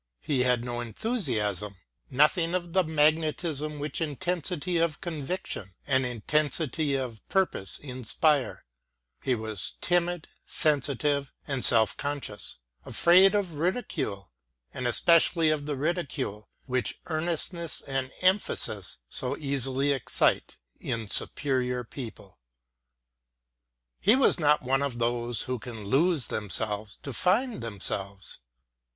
He had no enthusiasm: nothing of the magnetism which intensity of conviction and intensity of purpose inspire : he was timid, sensitive, and self conscious, afraid of ridicule, and especially of the ridicule which earnestness and emphasis so easily excite in *' superior people." He was not one of those who can lose themselves to find themselves.